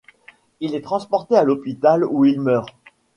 Il est transporté à l'hôpital où il meurt.